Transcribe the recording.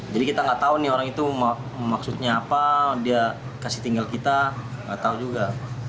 jadi kita gak tau nih orang itu maksudnya apa dia kasih tinggal kita gak tau juga